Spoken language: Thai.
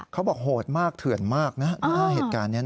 เขาบอกโหดมากเถื่อนมากนะหน้าเหตุการณ์นี้นะฮะ